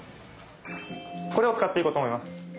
これを使っていこうと思います。